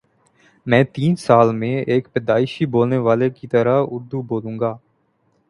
میں تین سال میں ایک پیدائشی بولنے والے کی طرح اردو بولوں گا